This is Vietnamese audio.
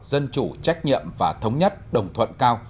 dân chủ trách nhiệm và thống nhất đồng thuận cao